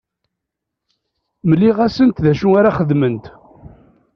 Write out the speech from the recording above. Mliɣ-asent d acu ara xedment.